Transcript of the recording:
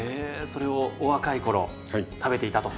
それをお若い頃食べていたと。